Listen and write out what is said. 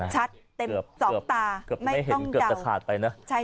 ชัดเต็ม๒ตาไม่ต้องเดา